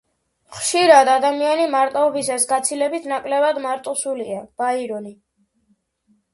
ხშირად ადამიანი მარტოობისას გაცილებით ნაკლებად მარტოსულია” – ბაირონი